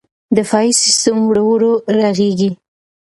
دفاعي سیستم ورو ورو رغېږي.